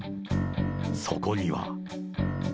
そこには。